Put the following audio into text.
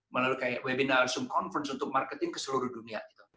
melalui webinar conference untuk marketing ke seluruh dunia